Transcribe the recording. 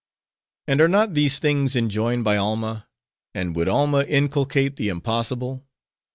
"And are not these things enjoined by Alma? And would Alma inculcate the impossible?